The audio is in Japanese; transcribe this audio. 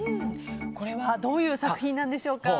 これはどういう作品なんでしょうか。